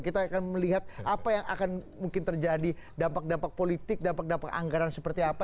kita akan melihat apa yang akan mungkin terjadi dampak dampak politik dampak dampak anggaran seperti apa